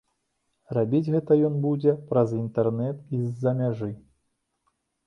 Рабіць гэта ён будзе праз інтэрнэт і з-за мяжы.